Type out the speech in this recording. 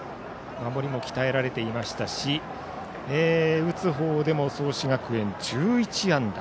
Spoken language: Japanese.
守りも鍛えられていましたし打つほうでも創志学園１１安打。